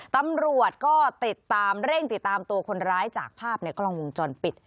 ตำรวจก็ติดตามเร่งติดตามตัวคนร้ายจากภาพในกล้องวงจรปิด